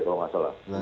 kalau tidak salah